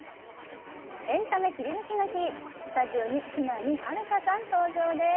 エンタメキリヌキの日スタジオに木南晴夏さん登場です